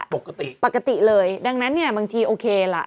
ปกติปกติเลยดังนั้นเนี่ยบางทีโอเคล่ะ